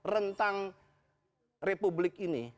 rentang republik ini